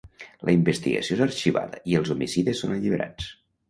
La investigació és arxivada i els homicides són alliberats.